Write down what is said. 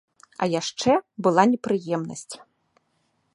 А яшчэ была непрыемнасць.